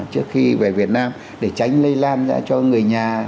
trước khi về việt nam để tránh lây lan ra cho người nhà